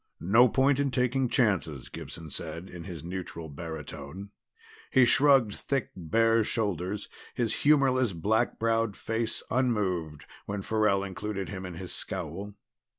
"No point in taking chances," Gibson said in his neutral baritone. He shrugged thick bare shoulders, his humorless black browed face unmoved, when Farrell included him in his scowl.